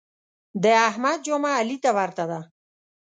د احمد جامه علي ته ورته ده.